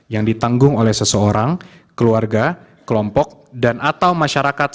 yang ditanggung oleh seseorang keluarga kelompok dan atau masyarakat